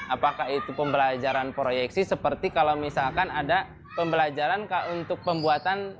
apakah itu pembelajaran proyeksi seperti kalau misalkan ada pembelajaran untuk pembuatan